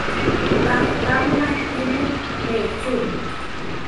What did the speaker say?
Tahtáme nahkíne reʼečú.